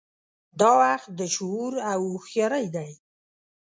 دا وخت د شعور او هوښیارۍ دی.